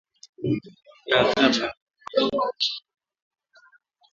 Hutokea hasa baada ya kunyesha kwa mvua kubwa na ya kipindi kirefu kinachosababisha mafuriko